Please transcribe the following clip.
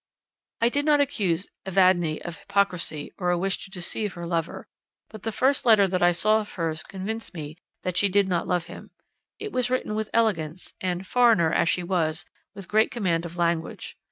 I did not accuse Evadne of hypocrisy or a wish to deceive her lover; but the first letter that I saw of hers convinced me that she did not love him; it was written with elegance, and, foreigner as she was, with great command of language.